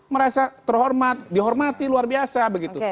merasa terhormat dihormati luar biasa begitu